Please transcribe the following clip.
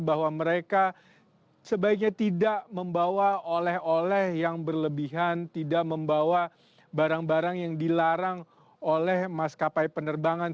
bahwa mereka sebaiknya tidak membawa oleh oleh yang berlebihan tidak membawa barang barang yang dilarang oleh maskapai penerbangan